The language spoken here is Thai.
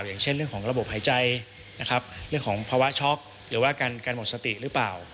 อย่างเช่นเรื่องของระบบหายใจนะครับเรื่องของภาวะช็อกหรือว่าการหมดสติหรือเปล่า